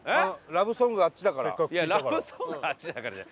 「ラブソングあっちだから」じゃ。